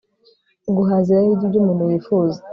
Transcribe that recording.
guhaza irari ryibyo umuntu yifuza